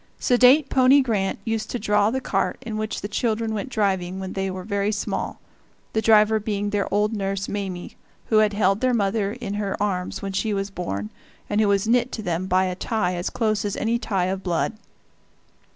Sedate pony Grant used to draw the cart in which the children went driving when they were very small, the driver being their old nurse Mame, who had held their mother in her arms when she was born, and who was knit to them by a tie as close as any tie of blood.